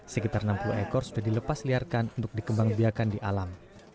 sekitar enam puluh ekor sudah dilepas liarkan untuk dikembang biakan di alam